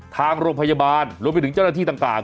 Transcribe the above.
ทางโรงพยาบาลรวมไปถึงเจ้าหน้าที่ต่าง